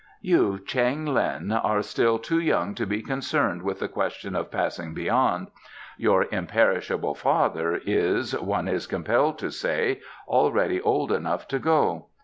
"You, Cheng Lin, are still too young to be concerned with the question of Passing Beyond; your imperishable father is, one is compelled to say, already old enough to go.